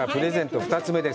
２つ目です。